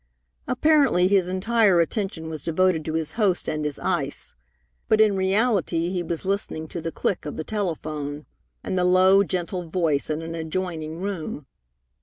Apparently his entire attention was devoted to his host and his ice, but in reality he was listening to the click of the telephone and the low, gentle voice in an adjoining room.